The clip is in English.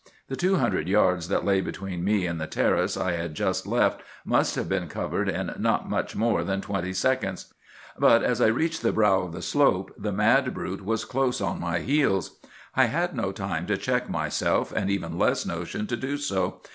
The two hundred yards that lay between me and the terrace I had just left must have been covered in not much more than twenty seconds. But as I reached the brow of the slope the mad brute was close on my heels. "I had no time to check myself, and even less notion to do so.